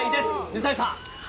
水谷さん。